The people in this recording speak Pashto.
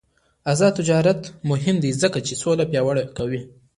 آزاد تجارت مهم دی ځکه چې سوله پیاوړې کوي.